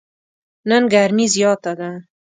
نن ګرمي زیاته ده.